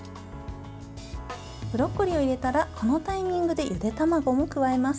ブロッコリーを入れたらこのタイミングでゆで卵も加えます。